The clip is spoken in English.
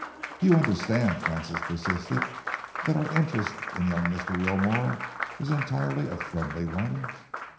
"You understand," Francis persisted, "that our interest in young Mr. Wilmore is entirely a friendly one?"